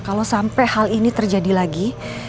kalau sampai hal ini terjadi lagi